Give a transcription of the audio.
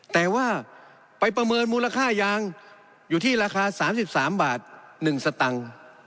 แต่ว่าไปประเมินมูลค่ายางอยู่ที่ราคา๓๓บาท๑สตังค์